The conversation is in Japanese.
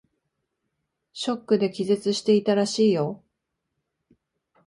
ショックで気絶していたらしいよ。